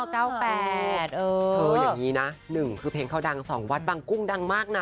อย่างนี้นะ๑คือเพลงเขาดัง๒วัดบางกุ้งดังมากนะ